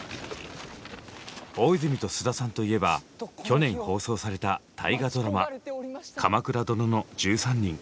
大泉と菅田さんといえば去年放送された大河ドラマ「鎌倉殿の１３人」。